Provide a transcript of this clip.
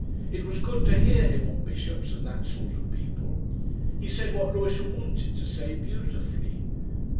It was good to hear him on bishops and that sort of people. He said what Lewisham wanted to say beautifully.